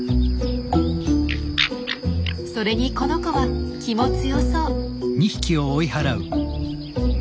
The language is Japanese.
それにこの子は気も強そう。